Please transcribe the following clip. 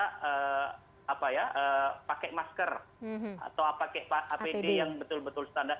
kita pakai masker atau pakai apd yang betul betul standar